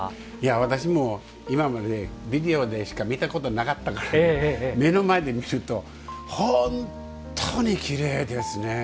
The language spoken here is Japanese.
私も今までビデオでしか見たことなかったから目の前で見ると本当にきれいですね。